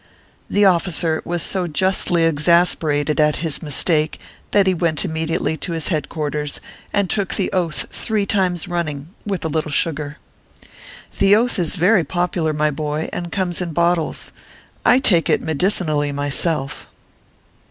The officer was so justly exasperated at his mis take, that he went immediately to his head quarters, and took the Oath three times running, with a little sugar. The Oath is very popular, my boy, and comes in bottles. I take it medicinally myself.